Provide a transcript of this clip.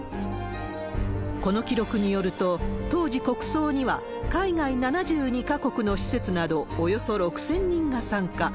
この記録によると、当時、国葬には海外７２か国の施設など、およそ６０００人が参加。